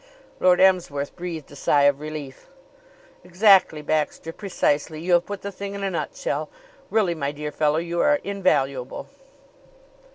Lord Emsworth breathed a sigh of relief. "Exactly, Baxter. Precisely! You have put the thing in a nutshell. Really, my dear fellow, you are invaluable."